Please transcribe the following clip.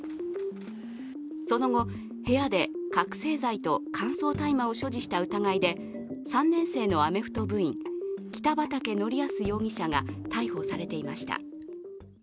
その後、部屋で覚醒剤と乾燥大麻を所持した疑いで３年生のアメフト部員・北畠成文容疑者が逮捕されていました。